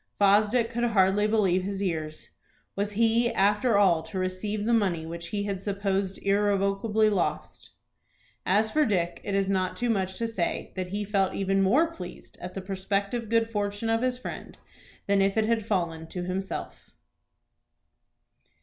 Fosdick could hardly believe his ears. Was he after all to receive the money which he had supposed irrevocably lost? As for Dick it is not too much to say that he felt even more pleased at the prospective good fortune of his friend than if it had fallen to himself.